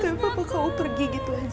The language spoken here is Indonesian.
tapi papa kau pergi gitu aja